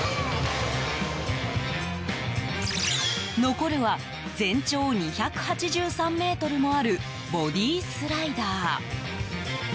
残るは、全長２８３ｍもあるボディースライダー。